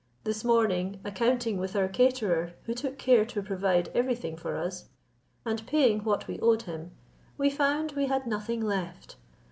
This morning, accounting with our caterer, who took care to provide every thing for us, and paying what we owed him, we found we had nothing left.